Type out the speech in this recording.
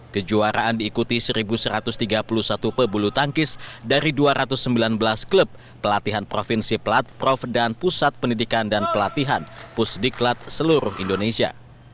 kejuaraan diikuti satu satu ratus tiga puluh satu pebulu tangkis dari dua ratus sembilan belas klub pelatihan provinsi plat prof dan pusat pendidikan dan pelatihan pusdiklat seluruh indonesia